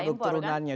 dan produk turunannya